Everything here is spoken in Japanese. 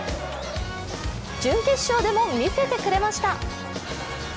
準決勝でも見せてくれました。